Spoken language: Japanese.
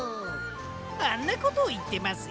あんなことをいってますよ。